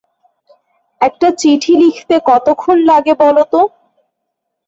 একটা চিঠি লিখতে কতক্ষণ লাগে বল তো?